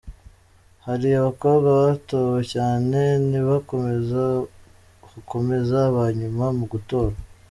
Hari abakobwa batowe cyane ntibakomeza, hakomeza abanyuma mu gutorwa.